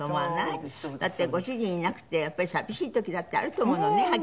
だってご主人いなくてやっぱり寂しい時だってあると思うのねはっきり言ったら。